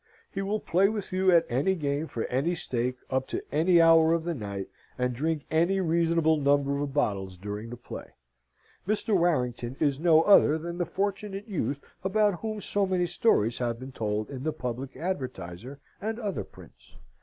He will play with you at any game for any stake, up to any hour of the night, and drink any reasonable number of bottles during the play. Mr. Warrington is no other than the Fortunate Youth about whom so many stories have been told in the Public Advertiser and other prints.